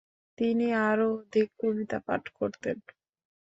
তিনি আরও অধিক কবিতা পাঠ করতেন।